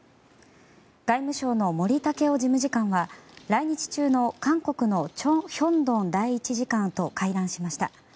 外務省の森健良事務次官は来日中の韓国のチョ・ヒョンドン第一次官と会談しました。